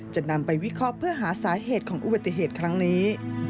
จะนำไปวิเคราะห์เพื่อหาสาเหตุของอุบัติเหตุครั้งนี้